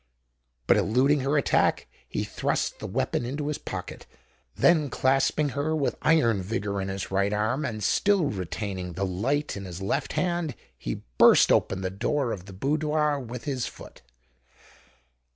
But, eluding her attack, he thrust the weapon into his pocket: then, clasping her with iron vigour in his right arm, and still retaining the light in his left hand, he burst open the door of the boudoir with his foot.